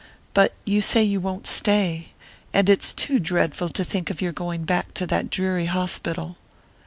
But you say you won't stay and it's too dreadful to think of your going back to that dreary hospital."